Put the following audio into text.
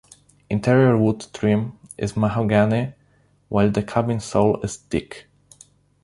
Interior wood trim is mahogany while the cabin sole is teak.